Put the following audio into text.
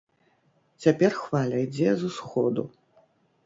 Цяпер хваля ідзе з усходу.